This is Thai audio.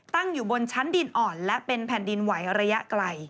ตั้งอยู่บนชั้นดินอ่อนและเป็นแผ่นดินไหวระยะไกล